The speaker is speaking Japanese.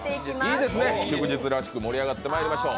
いいですね、祝日らしく盛り上がってまいりましょう。